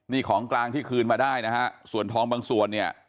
นี่ของกลางที่คืนมาได้นะฮะส่วนทองบางส่วนเนี่ย